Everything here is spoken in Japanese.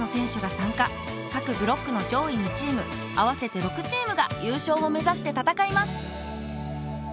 かくブロックの上位２チーム合わせて６チームが優勝を目ざしてたたかいます